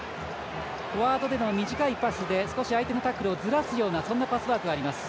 フォワードでの短いパスで少し相手のタックルをずらすようなパスワークがあります。